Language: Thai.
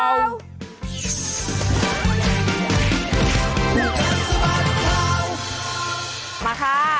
มาค่ะ